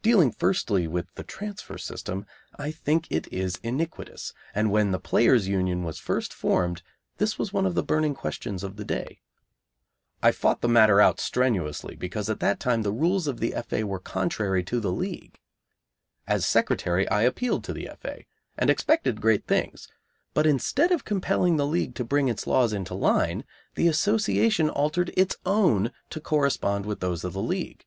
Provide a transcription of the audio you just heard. Dealing firstly with the transfer system, I think it is iniquitous, and when the Players' Union was first formed this was one of the burning questions of the day. I fought the matter out strenuously, because at that time the rules of the F.A. were contrary to the League. As secretary I appealed to the F.A., and expected great things, but instead of compelling the League to bring its laws into line, the Association altered its own to correspond with those of the League.